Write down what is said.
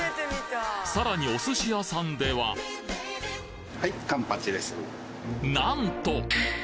さらにお寿司屋さんではなんと！